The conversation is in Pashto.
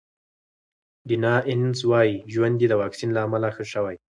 ډیانا اینز وايي ژوند یې د واکسین له امله ښه شوی.